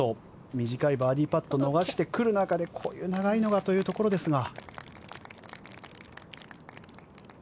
短いバーディーパットを逃してくる中でこういう長いのがというところですが。